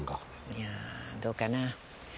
いやどうかな？